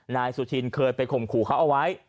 นายสุชินเคยไปข่มขู่เขาเอาไว้